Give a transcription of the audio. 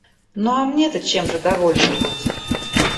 Ну, а мне-то чем же довольным быть?